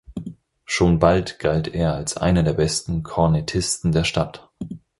Schon bald galt er als einer der besten Kornettisten der Stadt.